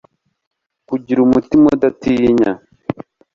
kugira umutima udatinya